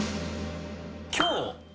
今日。